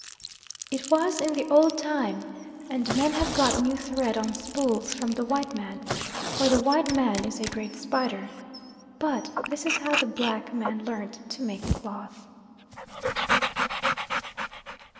It was in the old time, and men have got now thread on spools from the white man, for the white man is a great spider; but this is how the black man learnt to make cloth.